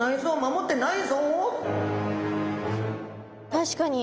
確かに。